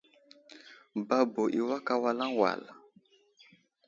Babo i awak awalaŋ wal.